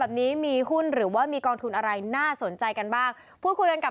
แบบนี้มีหุ้นหรือว่ามีกองทุนอะไรน่าสนใจกันบ้างพูดคุยกันกับ